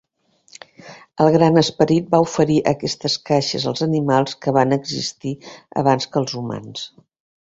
El gran esperit va oferir aquestes caixes als animals que van existir abans que els humans.